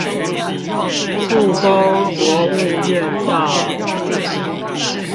故宮博物院藏